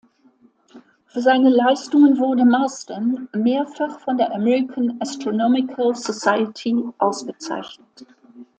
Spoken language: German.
Für seine Leistungen wurde Marsden mehrfach von der American Astronomical Society ausgezeichnet.